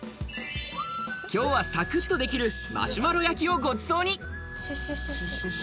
今日はサクッとできるマシュマロ焼きをごちそうに。